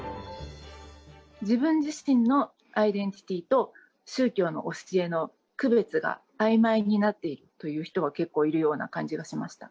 自分自身のアイデンティティーと、宗教の教えの区別があいまいになっているという人が、結構いるような感じがしました。